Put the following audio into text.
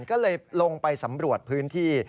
ก็เลยลงไปสำรวจพื้นที่